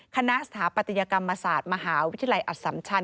สถาปัตยกรรมศาสตร์มหาวิทยาลัยอสัมชัน